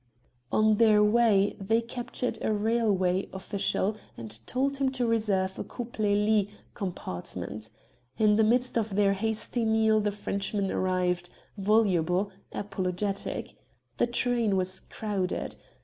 On their way they captured a railway official and told him to reserve a coupé lit compartment. In the midst of their hasty meal the Frenchman arrived, voluble, apologetic. The train was crowded.